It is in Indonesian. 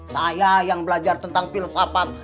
saya yang belajar tentang filsafat